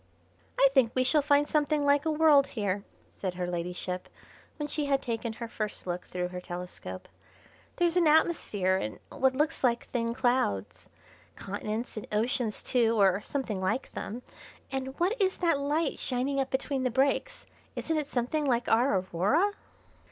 "I think we shall find something like a world here," said her ladyship, when she had taken her first look through her telescope; "there's an atmosphere and what look like thin clouds. Continents and oceans too, or something like them, and what is that light shining up between the breaks? Isn't it something like our Aurora?"